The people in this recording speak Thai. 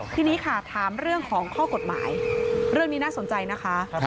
ทีนี้ค่ะถามเรื่องของข้อกฎหมายเรื่องนี้น่าสนใจนะคะ